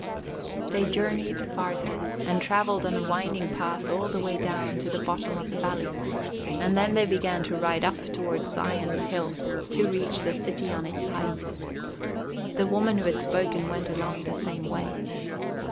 They journeyed farther, and traveled on a winding path all the way down to the bottom of the valley, and then they began to ride up toward Zion's hill, to reach the city on its heights. The woman who had spoken went along the same way.